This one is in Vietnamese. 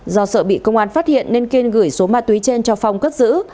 do sợ bị công an phát hiện nên kiên gửi số ma túy trên cho phong cất giữ